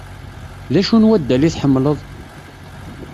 D acu n waddal i tḥemmleḍ?